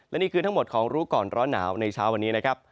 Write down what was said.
และนี่คือทั้งหมดของรู้ก่อนร้อนหนาวในเช้าวันนี้นะครับ